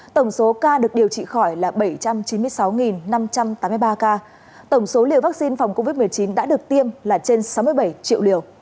tổng số ca được điều trị khỏi là bảy trăm chín mươi sáu năm trăm tám mươi ba ca tổng số liều vaccine phòng covid một mươi chín đã được tiêm là trên sáu mươi bảy triệu liều